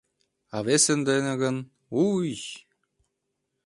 А весе дене гын — уй!